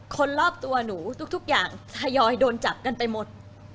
คนรอบตัวหนูทุกอย่างทยอยโดนจับกันไปหมด